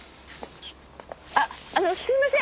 あっあのすいません。